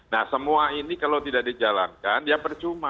nah semua ini kalau tidak dijalankan ya percuma